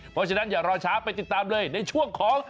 เพราะฉะนั้นอย่ารอช้าไปติดตามเลยในช่วงของ